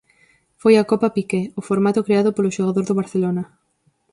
Foi a Copa Piqué, o formato creado polo xogador do Barcelona.